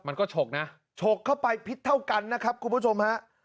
ฉกนะฉกเข้าไปพิษเท่ากันนะครับคุณผู้ชมฮะ